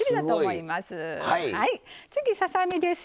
次、ささ身です。